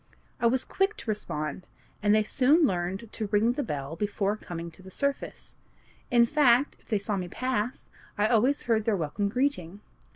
I was quick to respond, and they soon learned to ring the bell before coming to the surface; in fact, if they saw me pass, I always heard their welcome greeting.